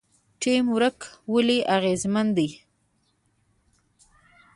ټیم ورک ولې اغیزمن دی؟